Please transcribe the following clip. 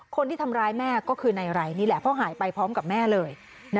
คนที่ทำร้ายแม่ก็คือนายไรนี่แหละเพราะหายไปพร้อมกับแม่เลย